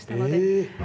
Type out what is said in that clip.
え。